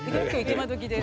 今どきで。